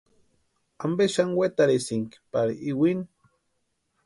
¿Ampe xani wetarhisïnki pari iwini?